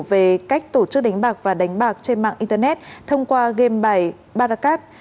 về cách tổ chức đánh bạc và đánh bạc trên mạng internet thông qua game bài baracas